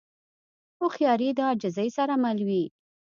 هوښیاري د عاجزۍ سره مل وي.